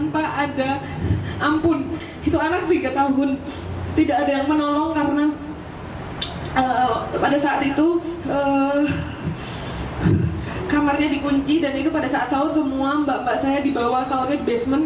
pada saat sawah semua mbak mbak saya dibawa soalnya basement